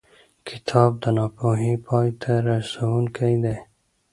کتاب د ناپوهۍ پای ته رسوونکی دی.